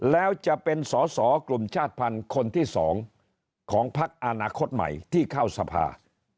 แล้วจะเป็นสอสอกลุ่มชาติภัณฑ์คนที่๒ของพักอนาคตใหม่ที่เข้าสภา